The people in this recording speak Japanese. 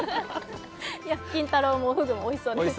金太郎もフグもおいしそうでした。